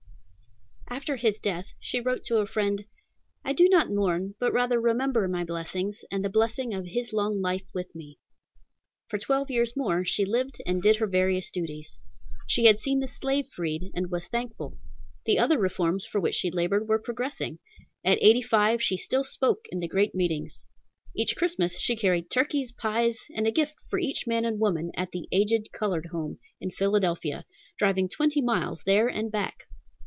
After his death, she wrote to a friend, "I do not mourn, but rather remember my blessings, and the blessing of his long life with me." For twelve years more she lived and did her various duties. She had seen the slave freed, and was thankful. The other reforms for which she labored were progressing. At eighty five she still spoke in the great meetings. Each Christmas she carried turkeys, pies, and a gift for each man and woman at the "Aged Colored Home," in Philadelphia, driving twenty miles, there and back.